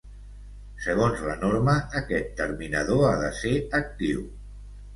Segons la norma aquest terminador ha de ser actiu.